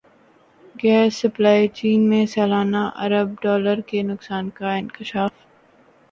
gas supply chain میں سالانہ ارب ڈالر کے نقصان کا انکشاف